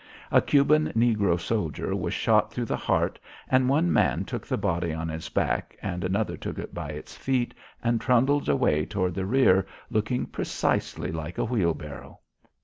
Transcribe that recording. A Cuban negro soldier was shot though the heart and one man took the body on his back and another took it by its feet and trundled away toward the rear looking precisely like a wheelbarrow.